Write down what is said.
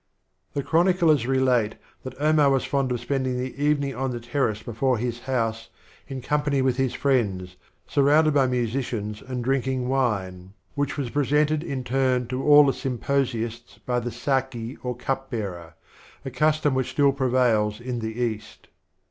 The chroniclers relate that Omar was fond of spending the evening on the terrace before his house, in company with his friends, surrounded by musicians, and drinking wine, which was presented Introduction. in turn to all the symposiasts by the Sc4ki or cup bearer, a custom which still prevails in the East.